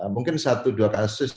mungkin satu dua kasus